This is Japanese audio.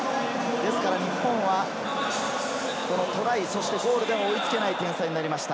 ですから日本はトライ、そしてゴールでは追いつけない点差になりました。